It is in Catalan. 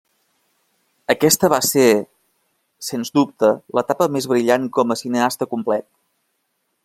Aquesta va ser sens dubte l'etapa més brillant com a cineasta complet.